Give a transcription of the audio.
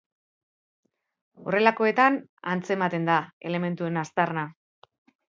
Horrelakoetan antzematen da elementuen aztarna.